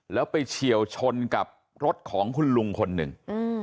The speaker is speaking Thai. แล้วไปเฉียวชนกับรถของคุณลุงคนหนึ่ง